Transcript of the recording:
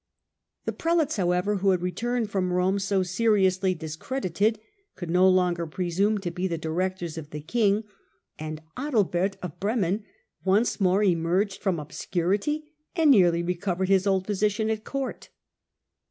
The prelates, however, who had returned from Eome so seriously discredited, could no longer presume to be the directors of the king, and Adalbert of Bremen once more emerged from obscurity, and nearly recovered his old position at court.